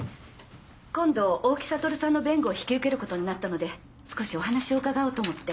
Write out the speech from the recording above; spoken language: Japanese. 今度大木悟さんの弁護を引き受けることになったので少しお話を伺おうと思って。